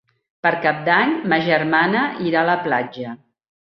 Per Cap d'Any ma germana irà a la platja.